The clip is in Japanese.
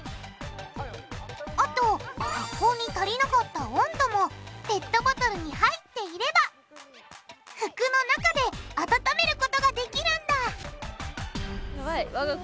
あと発酵に足りなかった温度もペットボトルに入っていれば服の中で温めることができるんだ！